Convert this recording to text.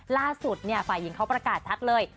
ล่าสุดฝ่ายหญิงเขาประกาศชัดเลย